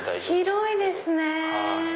広いですね！